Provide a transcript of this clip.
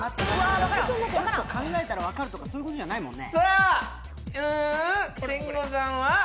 ちょっと考えたら分かるとか、そんなことじゃないもんね。